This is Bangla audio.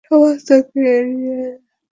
সমাজ তোকে এড়িয়ে যাবে।